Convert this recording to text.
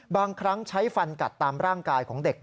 บางครั้งใช้ฟันกัดตามร่างกายของเด็ก